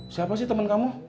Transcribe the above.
siapa sih temen kamu